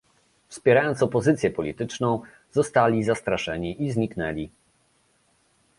Wspierając opozycję polityczną, zostali zastraszeni i zniknęli